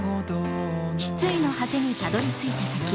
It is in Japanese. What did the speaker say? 失意の果てにたどりついた先。